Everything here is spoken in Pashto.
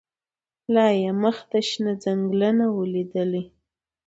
لا یې منځ د شنه ځنګله نه وو لیدلی